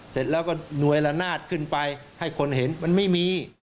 เสร็จแล้วก็หน่วยละนาดขึ้นไปให้คนเห็นมันไม่มี